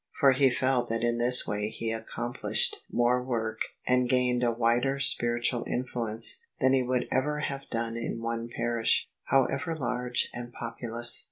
For he felt that in this way he accomplished more work and THE SUBJECTION OF ISABEL CARNABY gained a wider spiritual influence than he would ever have done in one parish, however large and populous.